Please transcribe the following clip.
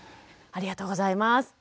ありがとうございます。